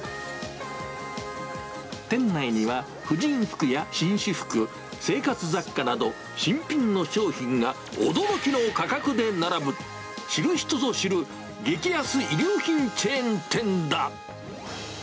店内には、婦人服や紳士服、生活雑貨など、新品の商品が驚きの価格で並ぶ、知る人ぞ知る激安衣料品チェーン店だ。